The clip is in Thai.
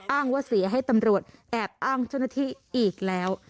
อ้างว่าเสียให้ตำรวจแอบอ้างเจ้าหน้าที่อีกแล้ว